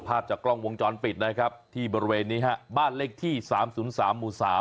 ภาพจากกล้องวงจรปิดนะครับที่บริเวณนี้ฮะบ้านเลขที่๓๐๓หมู่๓